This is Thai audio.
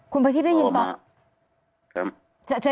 คุณประทีพได้ยินตอน